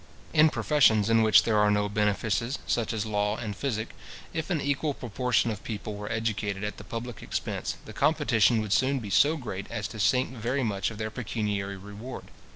In professions in which there are no benefices, such as law and physic, if an equal proportion of people were educated at the public expense, the competition would soon be so great as to sink very much their pecuniary reward.